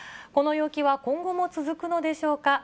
この陽気は今後も続くのでしょうか。